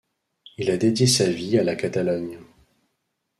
Il a dédié sa vie à la Catalogne.